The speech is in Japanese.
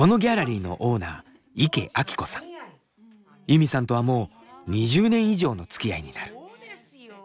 ユミさんとはもう２０年以上のつきあいになる。